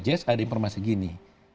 jess ada informasi gini